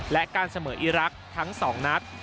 และการเสมออีรักษ์ทั้ง๒นัด